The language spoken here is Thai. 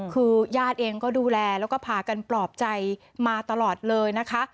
คือญาติเองก็ดูแลแล้วก็พากันปลอบใจมาตลอดเลยนะคะ